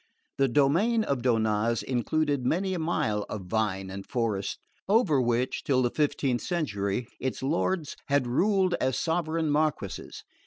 The domain of Donnaz included many a mile of vine and forest, over which, till the fifteenth century, its lords had ruled as sovereign Marquesses.